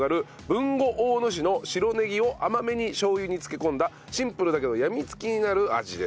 豊後大野市の白ねぎを甘めにしょう油に漬け込んだシンプルだけど病み付きになる味です。